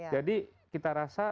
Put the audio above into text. jadi kita rasa